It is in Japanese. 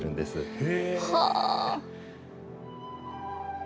へえ。